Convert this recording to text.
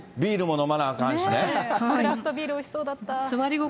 クラフトビールおいしそうだった。